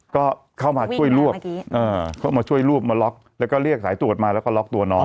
ก็เข้ามาช่วยรวบเข้ามาช่วยรวบมาล็อกแล้วก็เรียกสายตรวจมาแล้วก็ล็อกตัวน้อง